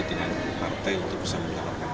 dengan partai untuk bisa menyalurkan prabowo